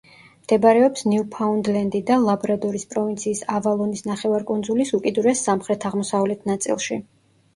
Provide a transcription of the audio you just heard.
მდებარეობს ნიუფაუნდლენდი და ლაბრადორის პროვინციის ავალონის ნახევარკუნძულის უკიდურეს სამხრეთ-აღმოსავლეთ ნაწილში.